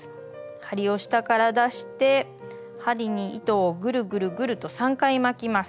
針を下から出して針に糸をぐるぐるぐると３回巻きます。